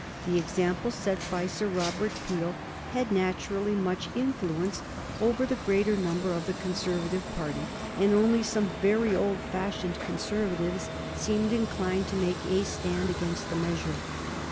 The example set by Sir Robert Peel had naturally much influence over the greater number of the Conservative party, and only some very old fashioned Conservatives seemed inclined to make a stand against the measure.